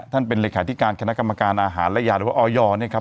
เป็นเลขาธิการคณะกรรมการอาหารและยาหรือว่าออยเนี่ยครับ